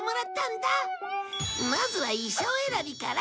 まずは衣装選びから！